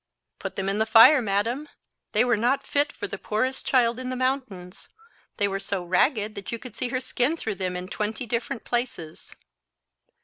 "Put them in the fire, madam. They were not fit for the poorest child in the mountains. They were so ragged that you could see her skin through them in twenty different places."